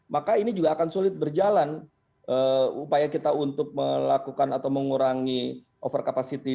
maka ini juga akan sulit berjalan upaya kita untuk melakukan atau mengurangi over capacity